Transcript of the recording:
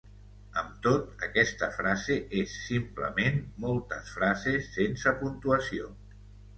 Amb tot, aquesta frase és simplement moltes frases sense puntuació.